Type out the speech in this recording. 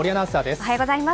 おはようございます。